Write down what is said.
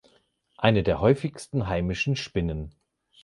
Eine der häufigsten heimischen Spinnen.